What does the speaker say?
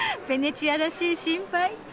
ベネチアらしい心配。